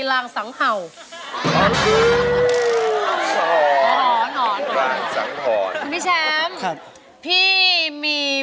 ร้องได้ร้องได้